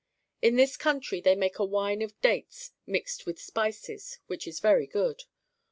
In this country they make a wine of dates mixt with spices, which is very good.